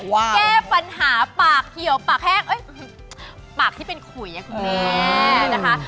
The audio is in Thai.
แก้ปัญหาปากเขียวปากแห้งปากที่เป็นขุยอย่างนี้นะคะ